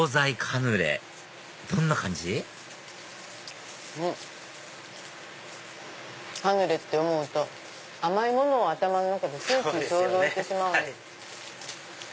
カヌレって思うと甘いものを頭の中でついつい想像してしまう。